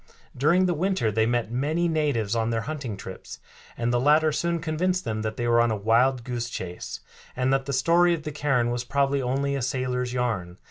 During the winter they met many natives on their hunting trips, and the latter soon convinced them that they were on a wild goose chase, and that the story of the cairn was probably only a sailor's yarn.